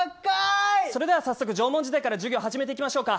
それでは早速、縄文時代から授業を始めていきましょうか。